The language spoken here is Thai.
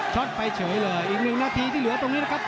ช็อตไปเฉยเลยอีก๑นาทีที่เหลือตรงนี้นะครับ